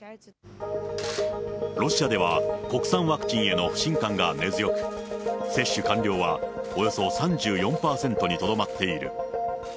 ロシアでは国産ワクチンへの不信感が根強く、接種完了はおよそ３４％にとどまっている。